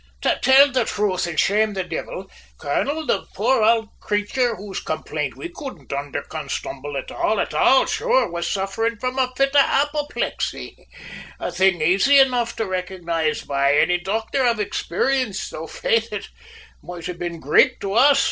"To till the truth an' shame the divvle, colonel, the poor ould crayture, whose complaint we couldn't underconstumble at all at all, sure, was sufferin' from a fit of apoplexy a thing aisy enough to recognise by any docther of experience, though, faith, it moight have been Grake to us!"